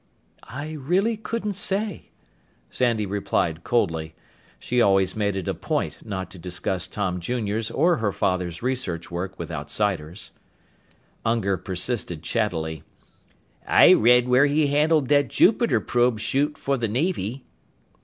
"I really couldn't say," Sandy replied coldly. She always made it a point not to discuss Tom Jr.'s or her father's research work with outsiders. Unger persisted chattily, "I read where he handled that Jupiter probe shoot for the Navy."